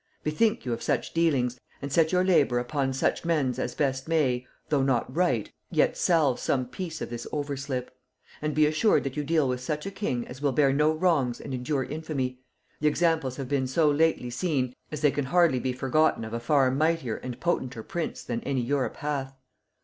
Bethink you of such dealings, and set your labor upon such mends as best may, though not right, yet salve some piece of this overslip; and be assured that you deal with such a king as will bear no wrongs and endure infamy; the examples have been so lately seen as they can hardly be forgotten of a far mightier and potenter prince than any Europe hath.